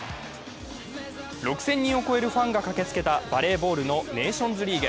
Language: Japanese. ６０００人を超えるファンが駆けつけたバレーボールのネーションリーグ。